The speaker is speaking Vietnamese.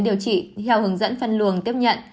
điều trị theo hướng dẫn phân luồng tiếp nhận